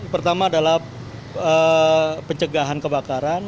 pertama adalah pencegahan kebakaran